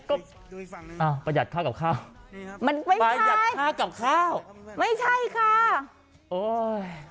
ก็อ่าประหยัดค่ากับข้าวมันไม่ใช่ประหยัดค่ากับข้าวไม่ใช่ค่ะโอ้ย